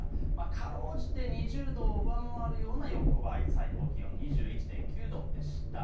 かろうじて２０度を上回るような横ばい、最高気温２１．９度でした。